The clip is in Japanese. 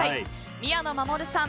宮野真守さん